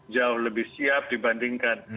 jauh lebih siap dibandingkan